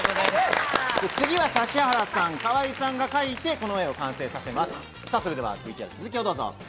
次は指原さん、河井さんが描いてこの絵を完成させます。